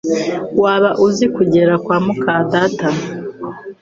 Waba uzi kugera kwa muka data?